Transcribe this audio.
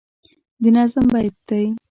د نظم بیت دی